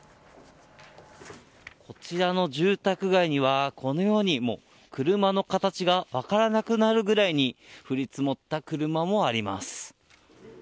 こちらの住宅街には、このように、もう車の形が分からなくなるぐらいに降り積もった車もあります。